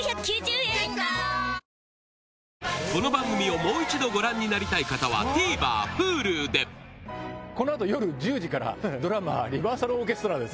この番組をもう一度ご覧になりたい方はＴＶｅｒＨｕｌｕでこの後夜１０時からドラマ『リバーサルオーケストラ』です。